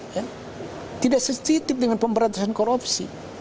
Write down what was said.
ya tidak sesitip dengan pemberantasan korupsi